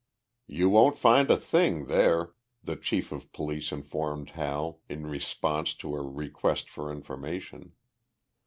"You won't find a thing there," the chief of police informed Hal, in response to a request for information.